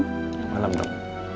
selamat malam dok